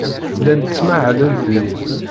Llant ttmahalent din.